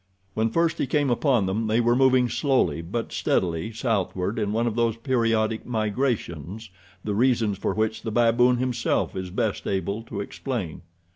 When first he came upon them they were moving slowly but steadily southward in one of those periodic migrations the reasons for which the baboon himself is best able to explain.